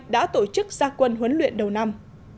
đã tổ chức gia quân huấn luyện đầu năm